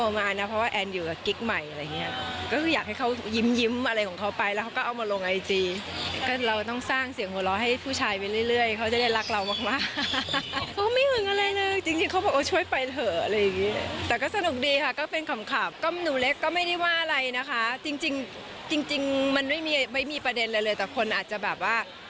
มันไม่มีประเด็นเลยแต่คนอาจจะแบบว่า